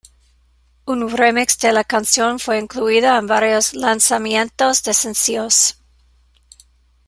Un remix de la canción fue incluida en varios lanzamientos de sencillos.